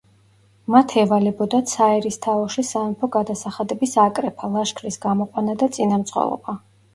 მათ ევალებოდათ საერისთავოში სამეფო გადასახადების აკრეფა, ლაშქრის გამოყვანა და წინამძღოლობა.